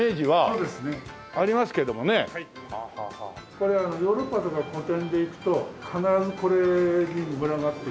これヨーロッパとか個展で行くと必ずこれに群がってきて。